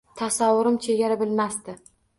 Tasavvurim chegara bilmasdi